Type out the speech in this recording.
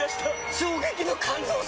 衝撃の感動作！